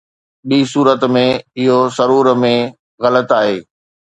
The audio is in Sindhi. ٻي صورت ۾، اهو سرور ۾ غلط آهي